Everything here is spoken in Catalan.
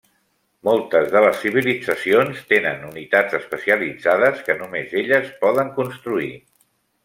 Moltes de les civilitzacions tenen unitats especialitzades que només elles poden construir.